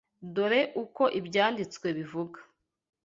Dore uko Ibyanditswe bivuga